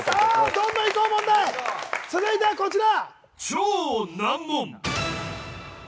どんどんいこう問題、続いてはこちら。